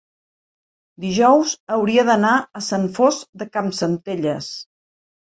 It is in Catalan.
dijous hauria d'anar a Sant Fost de Campsentelles.